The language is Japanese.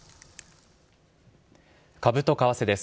株と為替です。